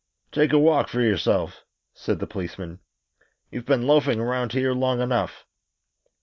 "Take a walk for yourself," said the policeman. "You've been loafing around here long enough."